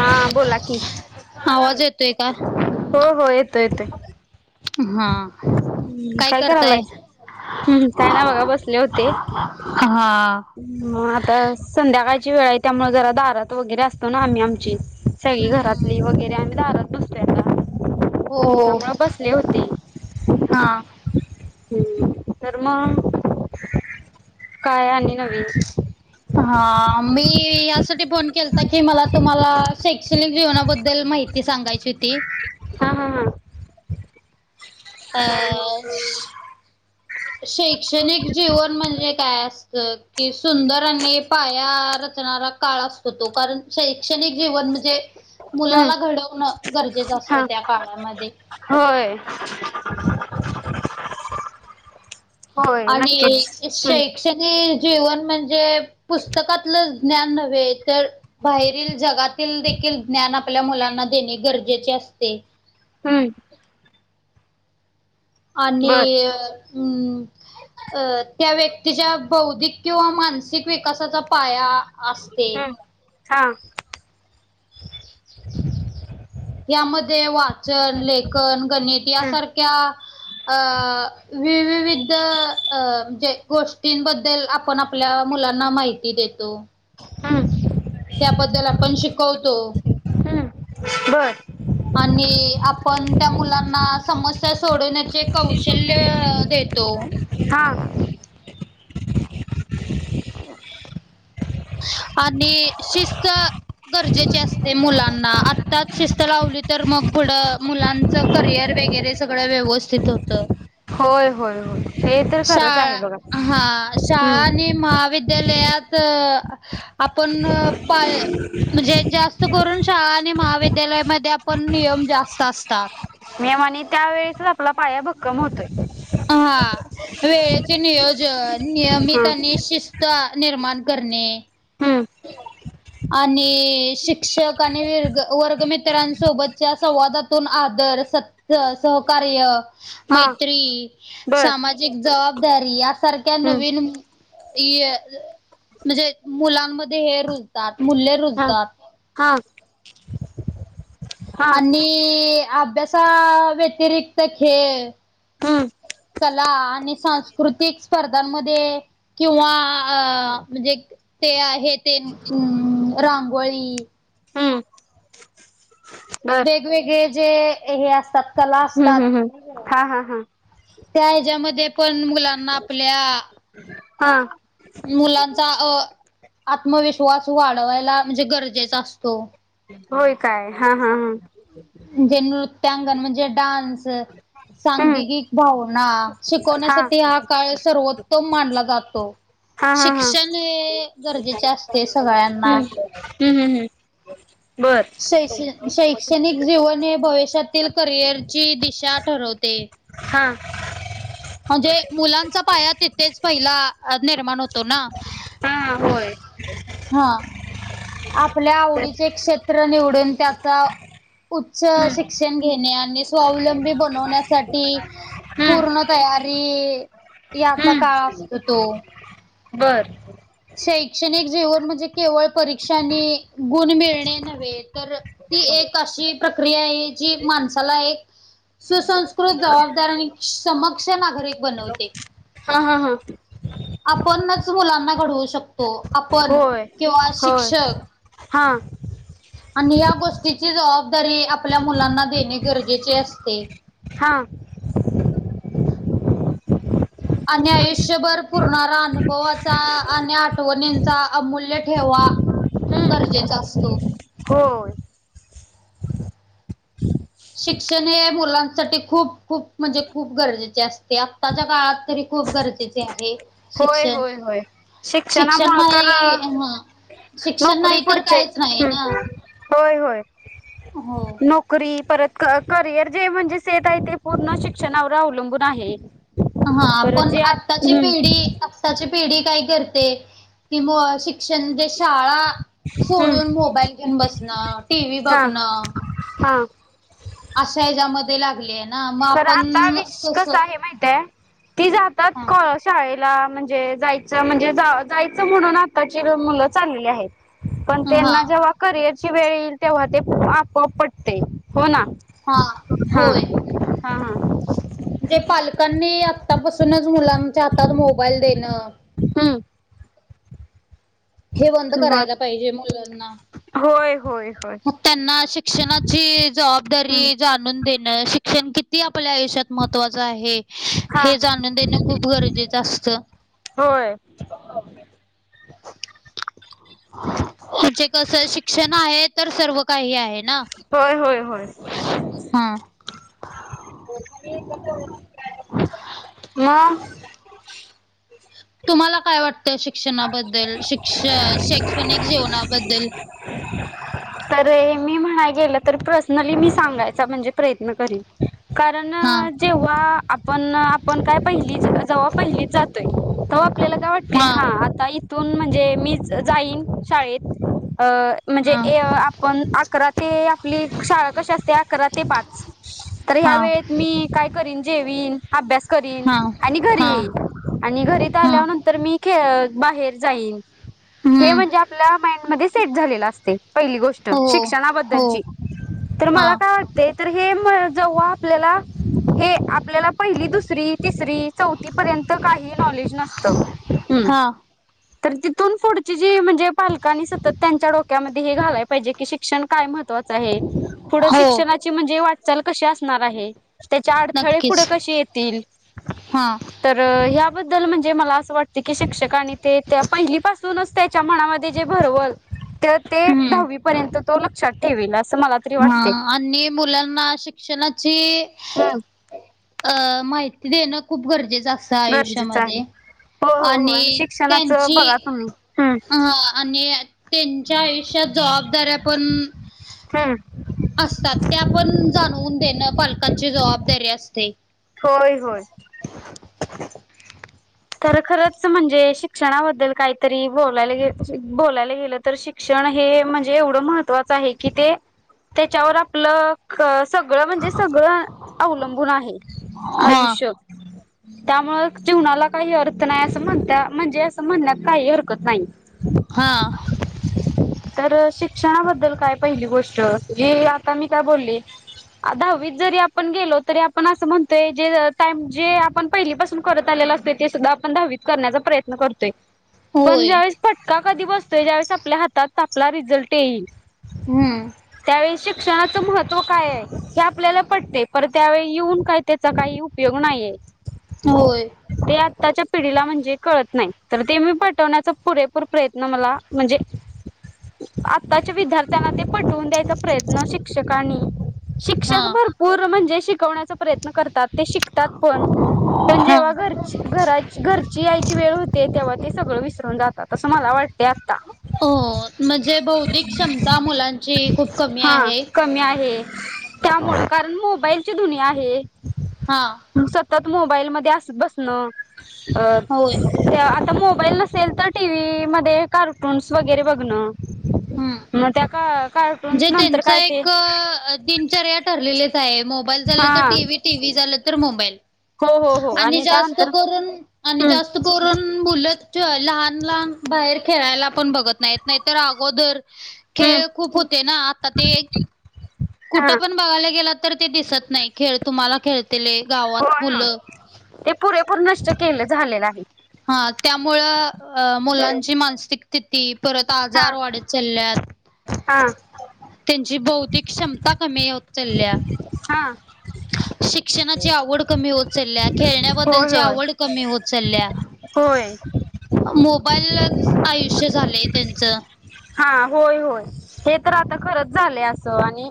हा बोला की आवाज येतोय का? हो हो येतो येतो हा हम्म काय करायलाच काय ना बघा बसले होते. हा म आता संध्याकाळची वेळ आहे त्यामुळ जरा दारात वगैरे असतो ना आम्ही आमची सगळी हम्म घरातली वगैरे आम्ही दारात हो त्यामुळ बसले होते. हा. हम् तर मग काय आणि नवीन हा मी यासाठी फोन केलता की मला तुम्हाला शैक्षणिक जीवनाबद्दल माहि ती सांगायची हुती. हा हा हा. अ तर मग श शैक्षणिक जीवन म्हणजे काय असतं की सुंदर आणि पाया रचणारा काळ असतो तो. कारण शैक्षणिक जीवन म्हणजे हम्म मुलाला घडवणं गरजेचं असतं हा त्या काळामध्ये. होय. होय आणि नक्कीच हम्म शैक्षणिक जीवन म्हणजे पुस्तकातलं ज्ञान नव्हे तर बाहेरील जगातील देखील ज्ञान आपल्या मुलांना देणे गरजेचे असते. हम्म. बर आणि हम्म, अ त्या व्यक्तीच्या बौद्धिक किंवा मानसिक विकासाचा पाया असते. हम्म हा. यामध्ये वाचन, लेखन, गणित हम्म यासारख्या अ विविविध अ म्हजे गोष्टींबद्दल आप पण आपल्या मुलांना माहिती देतो. हम्म. त्याबद्दल आपण शिकवतो. बरं. आणि आपण त्या मुलांना समस्या सोडवण्याचे कौशल्य दे तो. हा. आणि शिस्त गरजेचे असते मुलांना आत्ताच शिस्त लावली तर मग पुढं मुलां च करियर वगैरे सगळं व्यवस्थित होतं. होय होय होय हे तर खरंच आहे बघा शाळा हा शाळा आणि मविद्यालयात आपन पाय म्हणजे जास्त करून शाळा आणि महाविद्यालयामध्ये आपण नियम जास्त असता. मेम आणि त्यावेेळेसच आपला पाया भक्कम होतोय. हा वेळेचे नियोजन नियमित हम्म आणि शिस ता निर्माण करणे. हम्म. [inaudible] आणि शिक्षक आणि वर्गमित्रांसोबतच्या संवादातून आदर सत सहकार्य हा मैत्री बर सामा जीक जबाबदारी यासारख्या हम्म नवीन म्हणजे मुलांमध्ये हे रुजतात मूल्य हा रुजतात. हा. हा आणि अभ्यासा व्यतिरिक्त खेळ हम्म. कला आणि सांस्कृतिक स्पर्धांमध्ये किंवा अ म्हणजे ते आहे तेन रांगोळी हम्म. बर वेगवेगळे जे हे असतात कला हम्म असतात हम्म हम्म हा हा हा. त्या ह्याच्यामध्ये पण मुलांना आपल्या हा मुलांचा अह आत्मविश्वास वाढवायला म्हणजे गरजेचा असतो. होय काय हा हा हा. म्हणजे नृत्यांगण म्हणजे डान्स, हम्म सांगिकिक भाव ना शिकवण्यासाठी हा काळ सर्वोत्तम मानला जातो. हा हा हा शिक्षण हे गरजेचे असते हम्म सगळ्यांना. हम्म हम्म बरं. शै शैक्षणिक जीवन हे भविष्यातील करिअरची दिशा ठरवते. हा. म्हणजे मुलांचा पाया तिथेच पहिला निर्माण हो तो ना हा हा होय हा. आपल्या आवडीचे हम्म क्षेत्र निवडून त्याचा उच्च शि क्षण घेणे आणि स्वावलंबी बनवण्यासाठी हम्म पूर्ण तयारी याचा हम्म काळ असत तो. बर. शैक्षणिक जीवन म्हणजे केवळ परीक्षा आणि गुण मिळणे नव्हे तर ती एक अशी प्रक्रिया आहे जी माणसाला एक सुसंस्कृत जबाबदार आणि समक्ष नागरिक बनवते. हा हा हा. आपणच मुलांना घडवू शकतो हो, आपण होय किंवा होय शिक्षक हा आणि ह्या गोष्टीची जबाबदारी आपल्या मुलांना देणे गरजेचे असते. हा. आणि आयुष्यभर पूर्ण अनुभवाचा आणि आठवणींचा अमूल्य ठेवा हम्म गरजेचा असतो. होय. शिक्षण हे मुलांसाठी खूप खूप म्हणजे खूप गरजेचे असते आत्ताच्या काळात तरी खूप गरजेचे आहे होय शिक्षण, होय होय शिक्षण शिक्षणामुळे तर नाही हा शिक्षण नोकरी नाही तर पुढचे काहीच नाही ना, हम्म हा. करी परत क करियर जे म्हणजेे सेट आहे ते पूर्ण शिक्षणावर अवलंबून आहे. हा परत पण जे आ आत्ताची हम्म पिढी आत्ताची पिढी काय करते ती म शि क्षण म्हणजे शाळा हम्म सोडून मोबाईल घेऊन बसणं. टीव्ही हा बघणं हा. अशा ह्याच्यामध्ये लागले खर आता विश कस आहे माहितय ती जातात हां. कळ शाळेला म्हणजे जायचं म्हणजे जायचं म्हणून आताचे मुलं चाललेली आहेत. पण त्यांना हां. जेव्हा करिअर ची वेळ येईल तेव्हा ते आपोआप पटते हो ना. हा हा होय हा हा जे पाल लकांनी आत्ता पासूनच मुलांच्या हातात मोबाईल देणं हम हे बंद बर करायला पाहिजे मुलांना. होय, होय. होय मग त्यांना शिक्षणाची जबाबदारी हा जाणून देणं, शिक्षण किती आपल्या आयुष्यात महत्वाचं आहे. हे जाणून देणं खूप गरजेचं असतं. होय [unintelligible] [unintelligible] कसं शिक्षण आहे तर सर्व काही आहे. ना. होय, होय, होय. हा [unintelligible] तुम्हाला काय वाटतं शिक्षणाबद्दल? शिक्ष शैक्षणिक जीवनाबद्दल? [inaudible] तरे मी म्हणाय गेलं तर पर्सनली मी सांगायचा म्हणजे प्रयत्न करीन कारण हां जेव्हा आपण, आपण काय पहिली जेव्हा पहिलीच जातोय. तेव्हा आपल्याला काय वाटतोया? हा हां, आता इथून म्हणजे मीच जाईन शाळेत अ म्हणजे हा ए आपण अकरा ते आपली शाळा कशी असतीया, अकरा ते पाच. तर ह्या हा वेळेत मी काय करीन? जेवीन अभ्यास करीन, हा आणि घरी हा येईन, आणि घरी इथं हा आल्यानंतर मी खेळण, बाहेर जाईन, हे हम्म म्हणजे आपल्या माइंड मध्ये सेट झालेलं असतं. पहिली गोष्ट हो हो शिक्षणाबद्दलची, तर हा मला काय वाटते तर हे म जेव्हा आपल्याला हे आपल्याला पहिली, दुसरी, तिसरी चौथीपर्यंत काही नॉलेज नसतं. हम्म [inaudible] तर तिथून पुढची, जी म्हणजे पालकांनी सतत त्यांच्या डोक्यामध्ये हे घालाय पाहिजे, कि शिक्षण काय मह त्त्वाचं आहे पुढं हो शिक्षणाची म्हणजे वाटचाल कशी असणार आहे. त्याचे अडथळे पुढे कसे येतील. हां तर याबद्दल म्हणजे मला असं वाट त की शिक्षक आणि ते त्या पहिली पाासूनच त्याच्या मनामध्ये जे भरवल तर ते दहावी हम्म पर्यंत तो लक्षात ठेवेल असं मला तरी हा वाटते. आणि मुलांना शिक्षणाची हम्म अ माहिती देणं खूप गरजेचं असतं गरजेचं आहे आयुष्यामध्ये हो हो हो आणि शिक्षणाचं त्यांची बघा तुम्ही हम्म. हं आणि त्यांच्या आयुष्यात जबाबदाऱ्या पण हम्म असतात. त्या पण जाणवून देणं पालकांची जबाबदारी असते. होय, होय. तर खरंच! म्हणजे शिक्षणाबद्दल काहीतरी बोलायला गेलं, बोलायला गेलं तर शिक क्षण हे म्हणजे एवढं महत्वाचं आहे की, ते त्याच्यावर आपलं कस सगळं म्हणजे सगळं अवलंबून आहे हा आयुष्य. त्यामुळे जीवनाला काही अर्थ नाही. असं म्हणता म्हणजे असं म्हणण्यात काही हरकत नाही. हां तर शिक्षणाबद्दल काय पहिली गोष्ट, जी आता मी काय बोलली? दहावीत जरी आपण गेलो तरी आपण असं म्हणतोय, जे टाईम जे आपण पहिलीपासून करत आलेल असतोय ते सुद्धा आपण दहावीत करण्याचा प्रयत्न करतोय. पण होय ज्यावेळेस फटका कधी बसतोय. ज्यावेळेस आपल्या हातात तापला रिझल्ट येईल. हम्म. त्यावेळी शिक्षणाचं महत्त्व काय आहे. हे आपल्याला पटते पर त्यावेळी येऊन काय त्याचा काही उपयोग नाहीये. होय. ते आत्ताच्या पिढीला म्हणजे कळत नाही. तर ते मी पटवण्याचा पुरेपूर प्रयत्न मला म्हणजे आताच्या विद्यार्थ्यांना ते पटवून द्यायचा प्रयत्न शिक्षकनी हा शिक्षक बर पोर म्हणजे शिकवण्याचा प्रयत्न करतात ते शिकतात पण पण हा जेव्हा घरचे घरा घरची यायची वेळ होते तेव्हा ते सगळं विसरून जातात असं मला वाटते आता. हो म्हणजे बौद्धिक क्षमता मुलांची खूप कमी आहे. कमी आहे. त्यामुळे कारण मोबाईलची दुनिया आहे. हा. सतत मोबाईल मध्ये अस बसण आ होय आता मोबाईल नसेल. तर टी व्ही मध्ये कार्टून्स वगैरे बघणं. मग त्या का कार्टून्स जे नंतर त्यांच काय ते एक तीन चार या ठरलेलेच आहे. मोबाईल झालं हा तर टीव्ही टीव्ही झालं तर मोबाईल. हो हो हो आणि जास्त त्यानंतर करून आणि हम्म जास्त करून मूल लहान- लहान बाहेर खेळायला पण बघत नाहीेत नाहीतर अगोदर हम्म खेळ खूप हो [inaudible] कुठं पण बघायला गेलं तर ते दिसत नाही. खेळ तुम्हाला खेळतील गावात होय होय मुलं. ते पुरेपूर नष्ट केलं झालेलं आहे. हा त्यामुळ मुलांची मानसिक स्थिती परत आजार वाढत चालल्यात. हां. त्यांची बौद्धिक क्षमता कमी चालल्या हा शिक्षणाची आवड कमी होत चालल्या होय खेळण्याबद्दलची होय आवड कमी होत चालल्या. होय. मोबाईलच आयुष्य झालंय त्यांचं. हा होय- होय. हे तर आता खरच झालंय असं आणि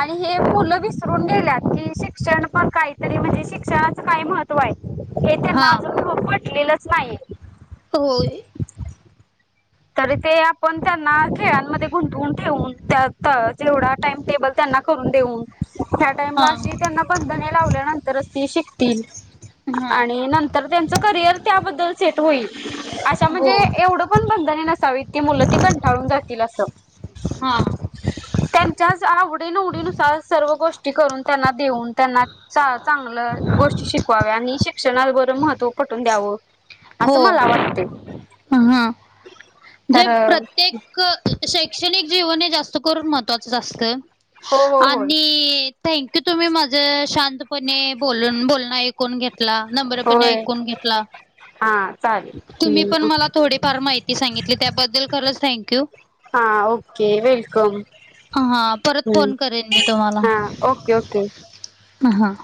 आणि हे मुलं विसरून गेल्यात की शिक्षण पण काहीतरी म्हणजे शिक्षणाचं काही महत्त्व आहे. हे हा त्यांना अजून पटलेलंच नाही. होय. तरी ते आपण त्यांना खेळांमध्ये गुंतून ठेवून त्यात जेवढा टाइम टेबल त्यांना करून देऊन त्या हा टाइमला अशी त्यांना बंधने लावल्यानंतरच ती शिकतील हा आणि नंत तर त्यांचं करिअर त्याबद्दल सेट होईल. अशा हो म्हणजे एवढं पण ब नसावी ती मुलं ते कंठाळून जातील असं [inaudible] त्यांच्याच आवडीनिवडीनुसार सर्व गोष्टी करून त्यांना देऊन त्यांना चांगलं गोष्टी शिकवाव्या आणि शिक्षणा बर महत्त्व पटून द्यावं. हो असं मला वाटते ह जे तर प्रत्येक शैक्षणिक जीवन हे जास्त करून महत्वाचं असत हो हो होय आणि थँक्यू तुम्ही माझ शांतपणे बोलून बोल आईकून आईकुण घेतला नम्र पने होय ऐकून घेतला. हा. चालेल. तुम्ही पण मला थोडीफार माहिती सांगितली. त्याबद्दल खरंच थँक्यू. हा ओके. वेलकम. हा परत हम्म फोन करेन मी तुम्हाला. हा ओके ओके हा.